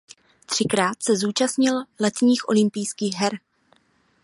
Třikrát se zúčastnil letních olympijských her.